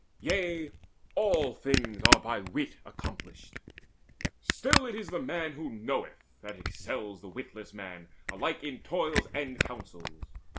Yea, all things are by wit accomplished. Still It is the man who knoweth that excels The witless man alike in toils and counsels.